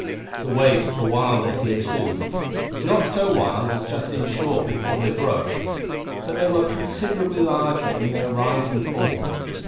The waves were wilder here too; not so wild as just in shore before they broke, but they were considerably larger in their rise and fall.